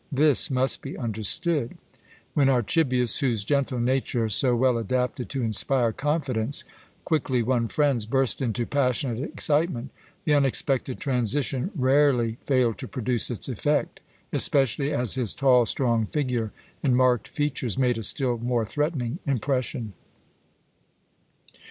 This must be understood. When Archibius, whose gentle nature, so well adapted to inspire confidence, quickly won friends, burst into passionate excitement, the unexpected transition rarely failed to produce its effect, especially as his tall, strong figure and marked features made a still more threatening impression.